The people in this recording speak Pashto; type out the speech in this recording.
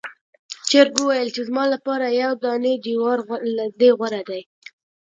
چرګ وویل چې زما لپاره یو دانې جوار له دې غوره دی.